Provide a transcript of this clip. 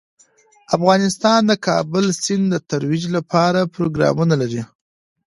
افغانستان د کابل سیند د ترویج لپاره پروګرامونه لري.